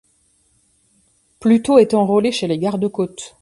Pluto est enrôlé chez les garde-côtes.